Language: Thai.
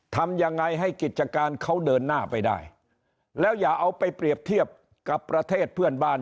ทำยังไงให้กิจการเขาเดินหน้าไปได้แล้วอย่าเอาไปเปรียบเทียบกับประเทศเพื่อนบ้าน